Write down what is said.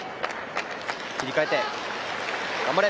切り替えて、頑張れ！